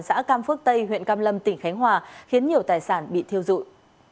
xã cam phước tây huyện cam lâm tỉnh khánh hòa khiến nhiều tài sản bị thiêu dụi